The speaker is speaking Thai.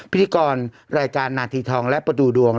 พิธีกรรายการนาทีทองและประตูดวง